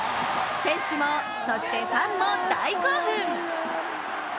選手も、そしてファンも大興奮。